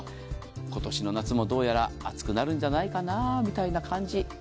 今年の夏もどうやら暑くなるんじゃないかなみたいな感じ。